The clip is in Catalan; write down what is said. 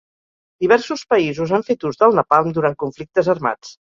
Diversos països han fet ús del napalm durant conflictes armats.